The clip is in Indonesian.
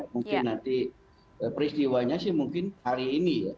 mungkin nanti peristiwanya sih mungkin hari ini ya